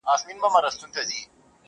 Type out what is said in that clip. له مکتبه رخصت سوو ماسومانو,